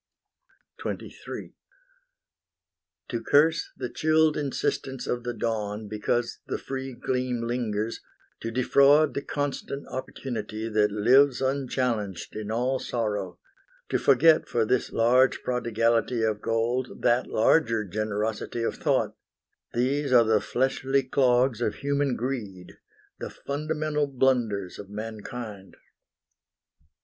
XXIII To curse the chilled insistence of the dawn Because the free gleam lingers; to defraud The constant opportunity that lives Unchallenged in all sorrow; to forget For this large prodigality of gold That larger generosity of thought, These are the fleshly clogs of human greed, The fundamental blunders of mankind.